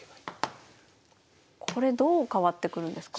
これどう変わってくるんですか？